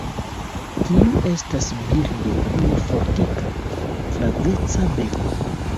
Tiu estas birdo kun fortika, flaveca beko.